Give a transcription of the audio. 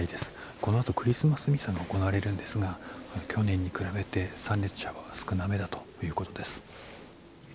このあとクリスマスミサが行われるんですが去年に比べて参列者は少なめだということです。